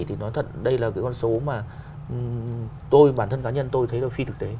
thì nói thật đây là cái con số mà tôi bản thân cá nhân tôi thấy là phi thực tế